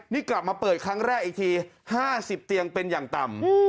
นี่กลับมาเปิดครั้งแรกอีกที๕๐เตียงเป็นอย่างต่ำ